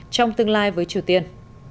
trong tương lai với triều tiên